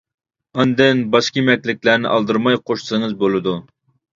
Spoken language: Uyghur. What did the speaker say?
ئاندىن باشقا يېمەكلىكلەرنى ئالدىرىماي قوشسىڭىز بولىدۇ.